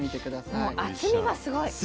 もう厚みがすごい。